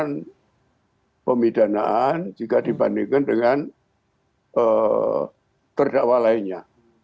yang pemidanaan jika dibandingkan dengan terdakwa lainnya